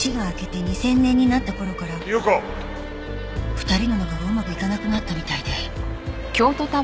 ２人の仲がうまくいかなくなったみたいで。